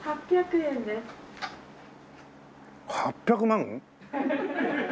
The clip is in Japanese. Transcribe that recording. ８００万？